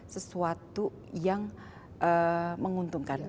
sesuatu yang menguntungkan